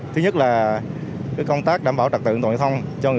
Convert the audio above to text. thứ nhất là công tác đảm bảo trạc tượng tổn thông